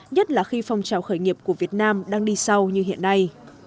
nhất là khi phong trào khởi nghiệp của việt nam đang đi sau như hiện nay